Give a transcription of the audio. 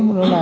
vấn đề nó là